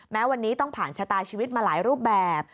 แม้วันนี้ต้องผ่านชะตาชีวิตมาหลายรูปแบบ